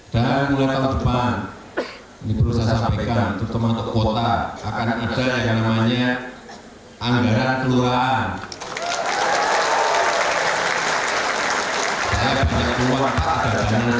dan mulai tahun depan diperlu saya sampaikan terutama untuk kota akan ada yang namanya